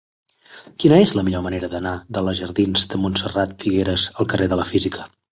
Quina és la millor manera d'anar de la jardins de Montserrat Figueras al carrer de la Física?